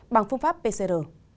bằng phương pháp pcr